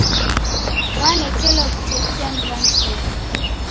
Wanekelo w'utesia ni w'andu w'engi.